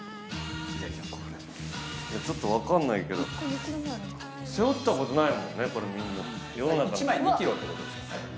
ちょっとわかんないけど１個何ｋｇぐらいあるんだろ背負ったことないもんねこれみんな１枚２ｋｇってことですよね